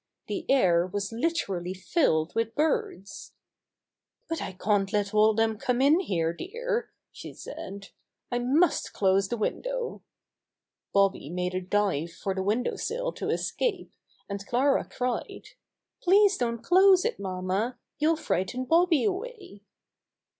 The air was literally filled with birds. "But I can't let all them come in here, dear," she said. "I must close the window." Bobby made a dive for the window sill to escape, and Clara cried: "Please don't close it, mamma. You'll frighten Bobby away."